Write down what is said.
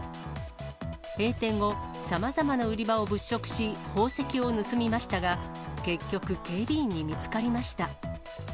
閉店後、さまざまな売り場を物色し、宝石を盗みましたが、結局、警備員に見つかりました。